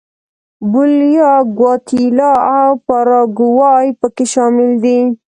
بولیویا، ګواتیلا او پاراګوای په کې شامل دي.